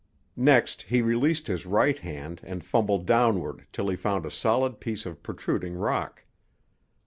Next he released his right hand and fumbled downward till he found a solid piece of protruding rock.